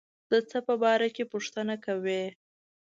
د څه په باره کې پوښتنه کوي.